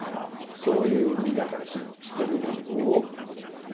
そういう身だからひとりでに動くんですね。